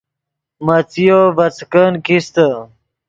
مڅیو ڤے څیکن کیستے